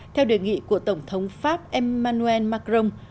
theo đề nghị của tổng thống pháp emmanuel macron